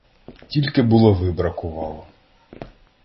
Тільки булави бракувало.